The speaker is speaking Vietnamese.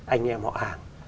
anh em họ hàng